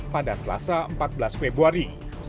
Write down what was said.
pada selasa empat belas februari